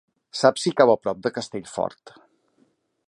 Saps si cau a prop de Castellfort?